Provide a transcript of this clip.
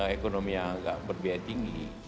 ekonomi yang agak berbiaya tinggi